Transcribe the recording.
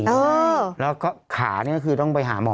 เออแล้วก็ขานี่ก็คือต้องไปหาหมอ